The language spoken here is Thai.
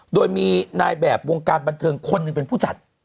โดยมีนายแบบวงการบันเทิงคนหนึ่งเป็นผู้จัด